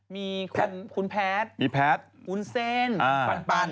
มีคุณแพทซ์คุณเซนปัน